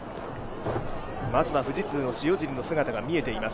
まずは富士通の塩尻の姿が見えています。